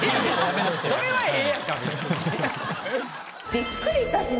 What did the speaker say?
それはええやんか別に。